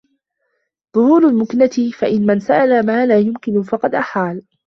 ظُهُورُ الْمُكْنَةِ فَإِنَّ مَنْ سَأَلَ مَا لَا يُمْكِنُ فَقَدْ أَحَالَ